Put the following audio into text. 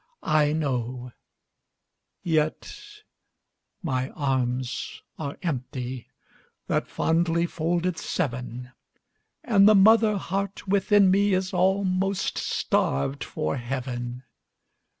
I know, yet my arms are empty, That fondly folded seven, And the mother heart within me Is almost starved for heaven.